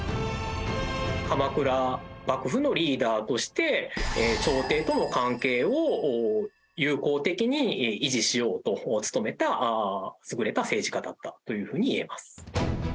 鎌倉幕府のリーダーとして朝廷との関係を友好的に維持しようと努めた優れた政治家だったというふうにいえます。